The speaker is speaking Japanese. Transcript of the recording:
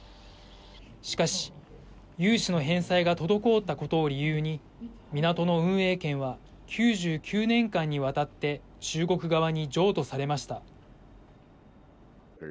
しかし、融資の返済が滞ったことを理由に港の運営権は９９年間にわたって中国側に譲渡されました。